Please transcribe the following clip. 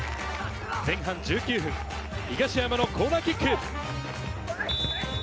前半１９分、東山のコーナーキック。